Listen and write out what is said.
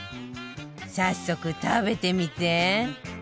早速食べてみて